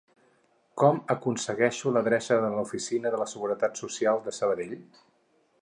Com aconsegueixo l'adreça de l'oficina de la Seguretat Social de Sabadell?